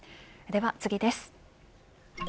では次です。